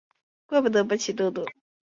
大邱红螯蛛为管巢蛛科红螯蛛属的动物。